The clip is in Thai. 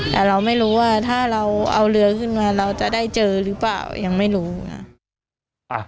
แต่เราไม่รู้ว่าถ้าเราเอาเรือขึ้นมาเราจะได้เจอหรือเปล่ายังไม่รู้นะ